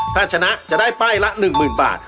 ถ้าชนะจะได้ป้ายละ๑๐๐๐บาท